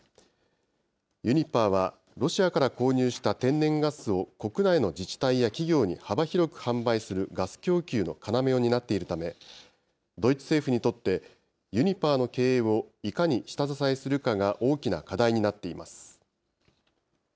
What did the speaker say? ユニパーは、ロシアから購入した天然ガスを、国内の自治体や企業に幅広く販売するガス供給の要を担っているため、ドイツ政府にとって、ユニパーの経営をいかに下支えするかが大きな課題になっています。